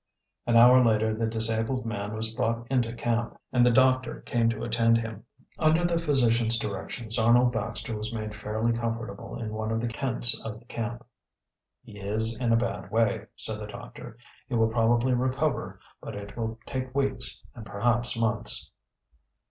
An hour later the disabled man was brought into camp and the doctor came to attend him. Under the physician's directions Arnold Baxter was made fairly comfortable in one of the tents of the camp. "He is in a bad way," said the doctor. "He will probably recover, but it will take weeks and perhaps months."